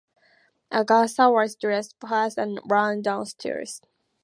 Agatha was dressed first, and ran downstairs.